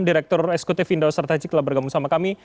direktur eksekutif indosertajik telah bergabung sama kami